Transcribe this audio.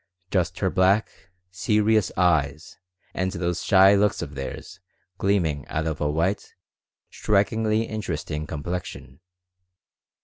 Just her black, serious eyes and those shy looks of theirs gleaming out of a white, strikingly interesting complexion.